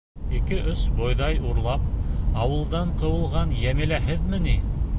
— Ике ус бойҙай урлап ауылдан ҡыуылған Йәмилә һеҙме ни?